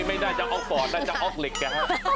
ไม่ได้จากอ๊อกฟอร์ดแต่จากอ๊อกเหล็กค่ะ